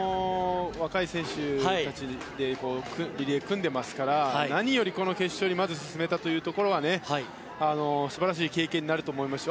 若い選手たちでリレーを組んでますから何よりこの決勝に進めたというところは素晴らしい経験になると思います。